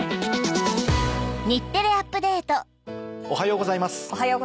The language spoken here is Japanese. おはようございます。